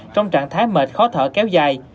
trong trạng thái mệt khó thở kéo dài